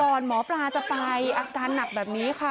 หมอปลาจะไปอาการหนักแบบนี้ค่ะ